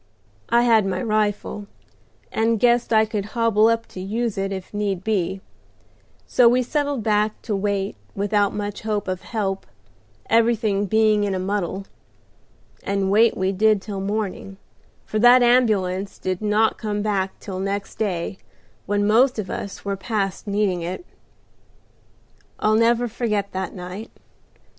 I had my rifle, and guessed I could hobble up to use it if need be; so we settled back to wait without much hope of help, everything being in a muddle. And wait we did till morning, for that ambulance did not come back till next day, when most of us were past needing it. "I'll never forget that night.